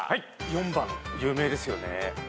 ４番有名ですよね。